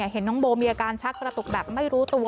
เห็นน้องโบมีอาการชักกระตุกแบบไม่รู้ตัว